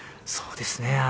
そうですね。